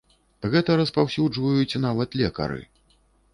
Гэта распаўсюджваюць нават лекары.